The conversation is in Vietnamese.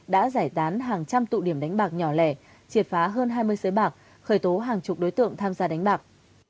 đã giải tán hàng trăm tụ điểm đánh bạc nhỏ lẻ triệt phá hơn hai mươi sới bạc khởi tố hàng chục đối tượng tham gia đánh bạc